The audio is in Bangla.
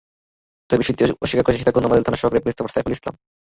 তবে বিষয়টি অস্বীকার করেছেন সীতাকুণ্ড মডেল থানার সহকারী পুলিশ সুপার সাইফুল ইসলাম।